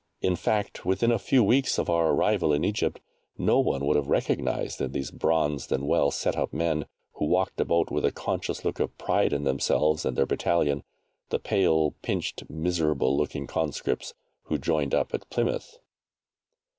In fact, within a few weeks of our arrival in Egypt, no one would have recognized in these bronzed and well set up men, who walked about with a conscious look of pride in themselves and their battalion, the pale, pinched, miserable looking conscripts who joined up at Plymouth.